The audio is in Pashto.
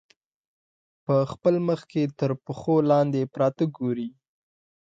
په خپل مخ کې تر پښو لاندې پراته ګوري.